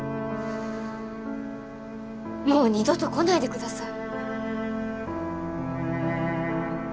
もう二度と来ないでください